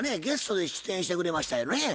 ゲストで出演してくれましたよね。